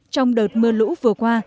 trong đợt mưa lũ vừa qua